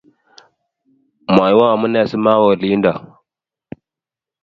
Mwaiwo amune si mawe olindok